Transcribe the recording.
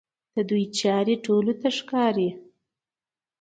د دوی چارې ټولو ته ښکاره دي.